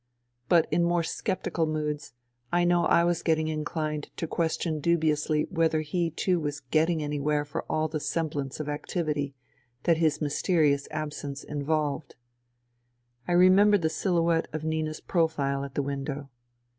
But in more sceptical moods I know I was inclined to question dubiously whether he too was getting anywhere for all the semblance of activity that his mysterious absence involved. I remember the silhouette of Nina's profile at the window.